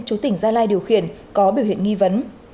chú tỉnh gia lai điều khiển có biểu hiện nghi vấn